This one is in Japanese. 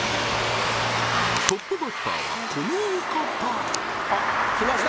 トップバッターはこのお方あっ来ました